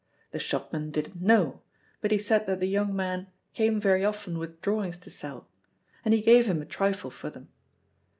The shopman didn't know; but he said that the young man came very often with drawings to sell, and he gave him a trifle for them.